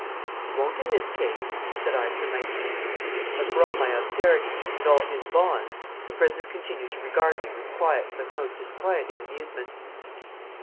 "It won't in this case," said I through my teeth. But for all my austerity, and all his bonds, the prisoner continued to regard me with quiet but most disquieting amusement.